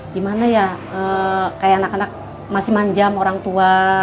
gimana ya kayak anak anak masih manjam orang tua